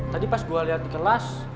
tadi pas gue liat di kelas